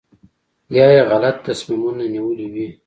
یا یې غلط تصمیمونه نیولي وي.